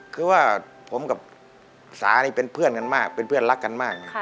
คือว่าผมกับสานี่เป็นเพื่อนกันมากเป็นเพื่อนรักกันมาก